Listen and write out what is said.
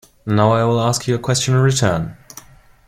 And now I will ask you a question in return.